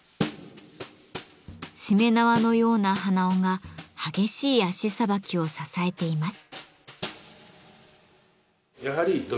しめ縄のような鼻緒が激しい足さばきを支えています。